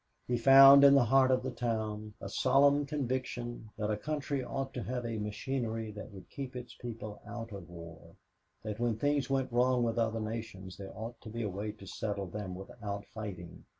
He found in the heart of the town a solemn conviction that a country ought to have a machinery that would keep its people out of war, that when things went wrong with other nations there ought to be a way to settle them without fighting.